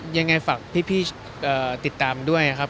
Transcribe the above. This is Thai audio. ยังไงฝังพี่พี่เอ้าติดตามด้วยนะครับ